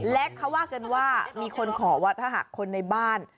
และเขาว่ากันว่ามีคนขอว่าถ้าหากคนในบ้าน